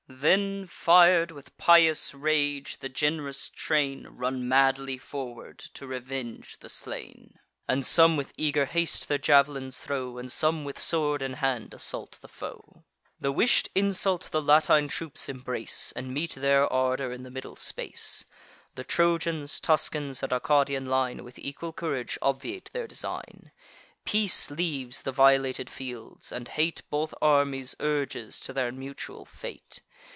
Then, fir'd with pious rage, the gen'rous train Run madly forward to revenge the slain. And some with eager haste their jav'lins throw; And some with sword in hand assault the foe. The wish'd insult the Latine troops embrace, And meet their ardour in the middle space. The Trojans, Tuscans, and Arcadian line, With equal courage obviate their design. Peace leaves the violated fields, and hate Both armies urges to their mutual fate.